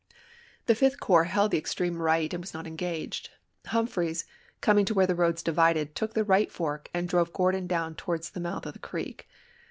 The Fifth Corps held the extreme right and was not engaged. Humphreys, coming to where the roads divided, took the right fork and drove Cordon down towards the mouth of the creek.